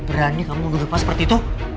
berani kamu ngegepa seperti itu